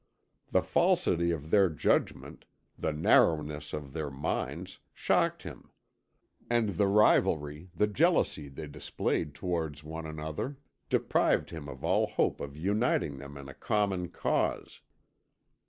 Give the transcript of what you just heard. The falsity of their judgment, the narrowness of their minds, shocked him; and the rivalry, the jealousy they displayed towards one another deprived him of all hope of uniting them in a common cause.